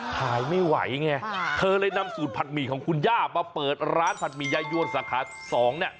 ขายไม่ไหวไงเธอเลยนำสูตรผัดหมี่ของคุณย่ามาเปิดร้านผัดหมี่ยายวนสาขาสองเนี่ย